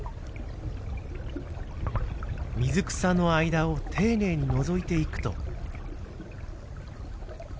水草の間を丁寧にのぞいていくと。